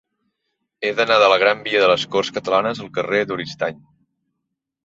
He d'anar de la gran via de les Corts Catalanes al carrer d'Oristany.